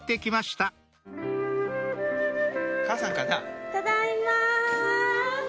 ただいま。